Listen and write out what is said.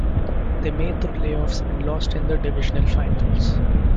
They made the playoffs and lost in the Divisional final.